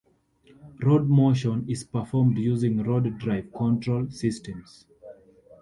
Rod motion is performed using rod drive control systems.